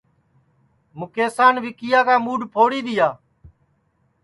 مُکیسان وکیا کا مُوڈؔ پھوڑی دؔیا